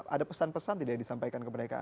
ada pesan pesan tidak disampaikan ke mereka